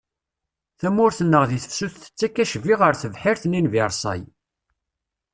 Tamurt-nneɣ di tefsut tettak acbi ɣer tebḥirt-nni n Virṣay.